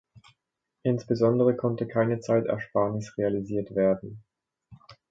Insbesondere konnte keine Zeitersparnis realisiert werden.